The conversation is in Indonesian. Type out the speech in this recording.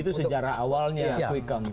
itu sejarah awalnya ya kuikang